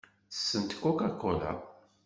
Ttessent Coca-Cola.